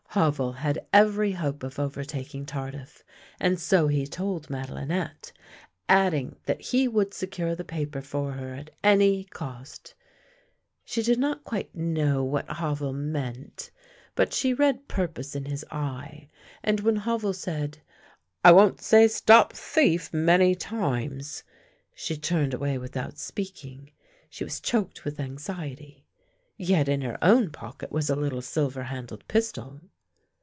Havel had every hope of overtaking Tardif, and so he told Madelinette, adding that he would secure the paper for her at any cost. She did not quite know what Havel meant, but she read purpose in his eye, and when Havel said: "I w'on't say 'Stop thief many times," she turned away without speaking — she was choked with anxiety. Yet in her own pocket was a little silver handled pistol!